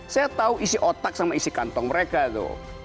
saya tahu isi otak sama isi kantong mereka tuh